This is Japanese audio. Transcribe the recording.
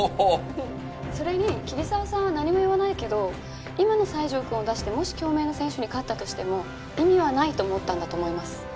それに桐沢さんは何も言わないけど今の西条くんを出してもし京明の選手に勝ったとしても意味はないと思ったんだと思います。